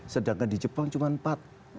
sedangkan di jepang cuma empat